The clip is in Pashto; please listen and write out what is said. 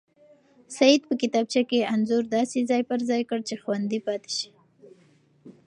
سعید په کتابچه کې انځور داسې ځای پر ځای کړ چې خوندي پاتې شي.